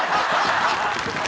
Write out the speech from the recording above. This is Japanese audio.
ハハハハ！